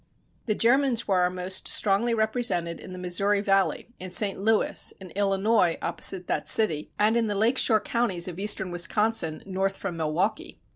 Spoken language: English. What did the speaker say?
The Germans were most strongly represented in the Missouri Valley, in St. Louis, in Illinois opposite that city, and in the Lake Shore counties of eastern Wisconsin north from Milwaukee.